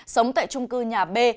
sống tại trung cư nhà b